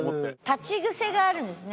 立ち癖があるんですね。